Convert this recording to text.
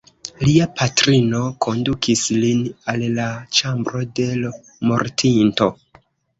Lia patrino kondukis lin al la ĉambro de l' mortinto.